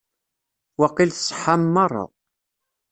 Waqil tṣeḥḥam merra.